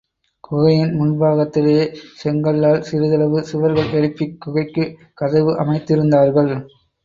குகையின் முன்பாகத்திலே செங்கல்லால் சிறிதளவு சுவர்கள் எழுப்பிக் குகைக்குக் கதவு அமைத்திருந்தார்கள்.